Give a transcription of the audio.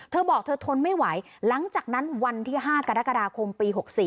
เธอบอกเธอทนไม่ไหวหลังจากนั้นวันที่๕กรกฎาคมปี๖๔